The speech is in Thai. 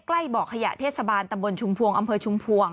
ใกล้บ่อขยะเทศบาลตำบลชุมพวงอำเภอชุมพวง